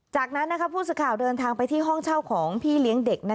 จากนั้นผู้สื่อข่าวเดินทางไปที่ห้องเช่าของพี่เลี้ยงเด็ก